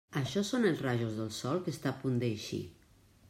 Això són els rajos del sol que està a punt d'eixir.